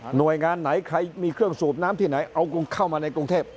หน่วยงานไหนใครมีเครื่องสูบน้ำที่ไหนเอาเข้ามาในกรุงเทพ